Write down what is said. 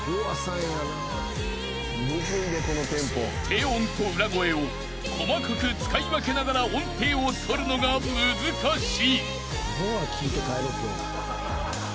［低音と裏声を細かく使い分けながら音程をとるのが難しい］